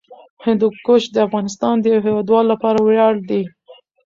هندوکش د افغانستان د هیوادوالو لپاره ویاړ دی.